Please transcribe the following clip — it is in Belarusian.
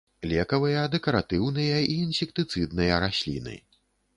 Лекавыя, дэкаратыўныя і інсектыцыдныя расліны.